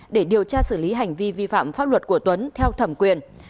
để điều tra xử lý hành vi vi phạm pháp luật của tuấn theo thẩm quyền